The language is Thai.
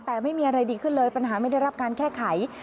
แต่ไม่มีอะไรดีขึ้นเลยปัญหาไม่ได้รับการแก้ไข